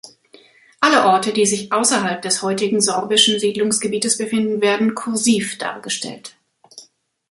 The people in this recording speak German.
Alle Orte, die sich außerhalb des heutigen sorbischen Siedlungsgebietes befinden, werden "kursiv" dargestellt.